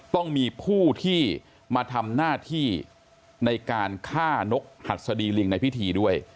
ต้องมีผู้ที่มาทำหน้าที่ในการฆ่านกหัดสดีลิงในพิธีด้วย